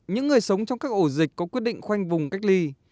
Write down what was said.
những người sống trong các ổ dịch có quyết định khoanh vùng cách ly